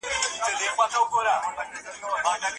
يوسف سورت په زړه جذبوونکي اسلوب نازل سوی دی.